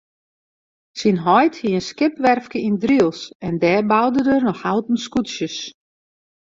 Syn heit hie in skipswerfke yn Drylts en dêr boude er noch houten skûtsjes.